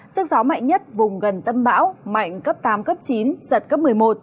sức gió mạnh nhất vùng gần tâm bão mạnh cấp tám cấp chín giật cấp một mươi một